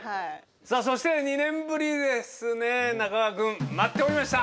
さあそして２年ぶりですね中川君。待っておりました！